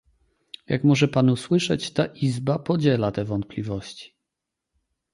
Jak może pan usłyszeć, ta Izba podziela te wątpliwości